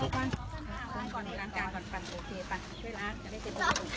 สวัสดีครับคุณพลาด